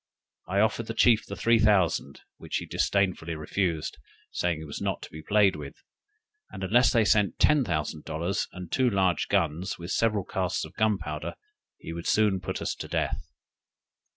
I offered the chief the three thousand, which he disdainfully refused, saying he was not to be played with; and unless they sent ten thousand dollars, and two large guns, with several casks of gunpowder, he would soon put us to death.